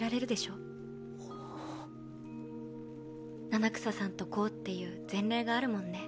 七草さんとコウっていう前例があるもんね。